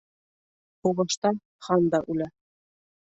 Һуғышта хан да үлә.